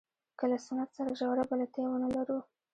که له سنت سره ژوره بلدتیا ونه لرو.